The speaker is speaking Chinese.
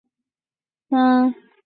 许多市民也到这里来野炊烧烤。